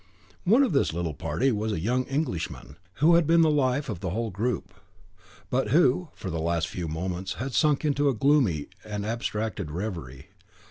One of this little party was a young Englishman, who had been the life of the whole group, but who, for the last few moments, had sunk into a gloomy and abstracted reverie.